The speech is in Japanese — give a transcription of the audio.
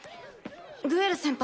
グエル先輩